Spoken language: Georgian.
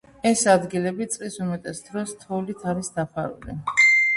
ეს ადგილები წლის უმეტეს დროს თოვლით არის დაფარული.